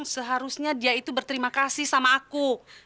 seharusnya dia itu berterima kasih sama aku